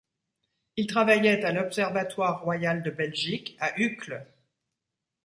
Il travaillait à l'Observatoire royal de Belgique à Uccle.